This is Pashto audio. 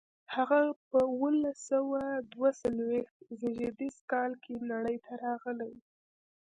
هغه په اوولس سوه دوه څلویښت زېږدیز کال کې نړۍ ته راغلی و.